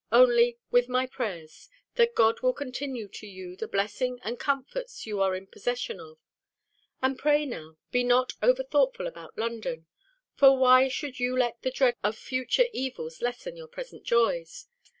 Only, with my prayers, that God will continue to you the blessing and comforts you are in possession of! And pray now, be not over thoughtful about London; for why should you let the dread of future evils lessen your present joys?